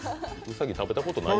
兎食べたことない？